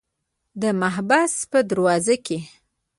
د محبس په دروازو کې.